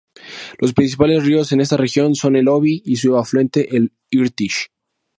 Los principales ríos en esta región son el Obi y su afluente el Irtish.